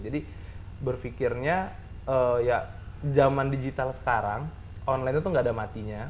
jadi berpikirnya ya zaman digital sekarang online itu tuh nggak ada matinya